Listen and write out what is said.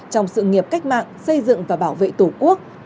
trong sự nghiệp cách mạng xây dựng và bảo vệ tổ quốc